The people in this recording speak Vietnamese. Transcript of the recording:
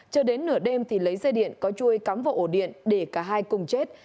chờ đến nửa đêm thì lấy dây điện có chui cắm vào ổ điện để cả hai cùng chết